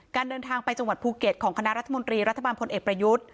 เดินทางไปจังหวัดภูเก็ตของคณะรัฐมนตรีรัฐบาลพลเอกประยุทธ์